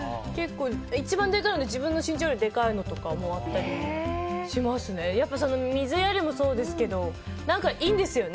一番でかいので自分の身長よりでかいのとかもあって、水やりもそうですけど、いいんですよね。